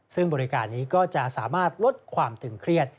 ซึ่งบริการนี้ก็จะสามารถลดความตึงเครียด